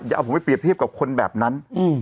อย่าเอาผมไปเรียบเทียบกับคนแบบนั้น